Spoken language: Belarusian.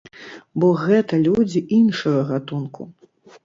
Бо гэта людзі іншага гатунку.